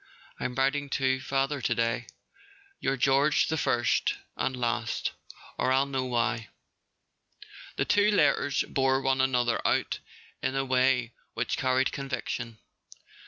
I'm writing to father to day. Your George the First—and Last (or I'll know why)." The two letters bore one another out in a way which carried conviction.